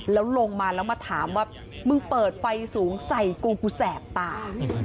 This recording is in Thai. แล้วลงมาแล้วมาถามว่ามึงเปิดไฟสูงใส่กูกูแสบตา